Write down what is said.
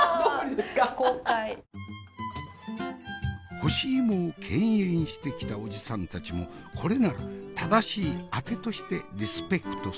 干し芋を敬遠してきたおじさんたちもこれなら正しいあてとしてリスペクトする。